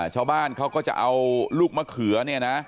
ชาวบ้านเขาก็จะเอาลูกมะเขือ